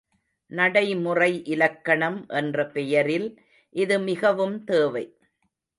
நடைமுறை இலக்கணம் என்ற பெயரில் இது மிகவும் தேவை.